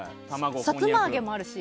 さつま揚げもあるし。